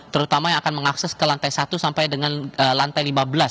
terutama yang akan mengakses ke lantai satu sampai dengan lantai lima belas